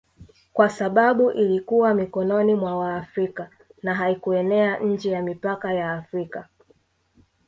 kwa sababu ilikuwa mikononi mwa Waafrika na haikuenea nje ya mipaka ya Afrika